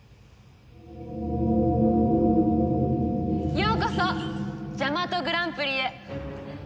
ようこそジャマトグランプリへ。